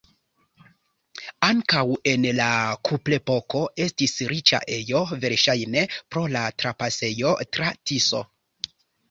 Ankaŭ en la kuprepoko estis riĉa ejo, verŝajne pro la trapasejo tra Tiso.